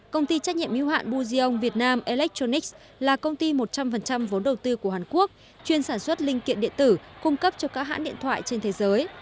công ty trách nhiệm hữu hạn buzion vietnam electronics là công ty một trăm linh vốn đầu tư của hàn quốc chuyên sản xuất linh kiện điện tử cung cấp cho các hãn điện thoại trên thế giới